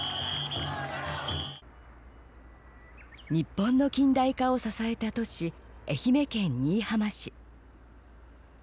日本の近代化を支えた都市愛媛県新居浜市。